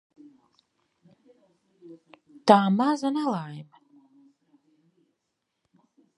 T? maza nelaime!